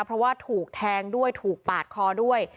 เพราะว่าถูกแทงด้วยถูกปาดคอด้วย